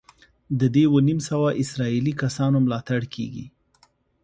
د دې اووه نیم سوه اسرائیلي کسانو ملاتړ کېږي.